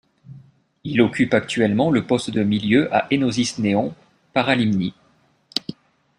Il occupe actuellement le poste de milieu à Énosis Néon Paralímni.